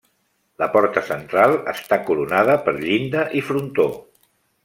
La porta central està coronada per llinda i frontó.